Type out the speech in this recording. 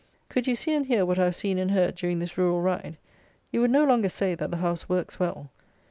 Could you see and hear what I have seen and heard during this Rural Ride, you would no longer say, that the House "works well."